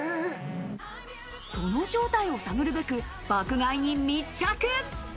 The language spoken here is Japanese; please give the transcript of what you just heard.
その正体を探るべく、爆買いに密着。